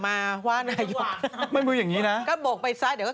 ภาพซ้ายก็ความยิ้มโอเคนะ